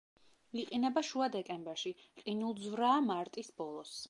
იყინება შუა დეკემბერში, ყინულძვრაა მარტის ბოლოს.